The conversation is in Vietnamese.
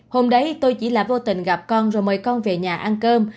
hôm đấy tôi chỉ là vô tình gặp con rồi mời con về nhà ăn cơm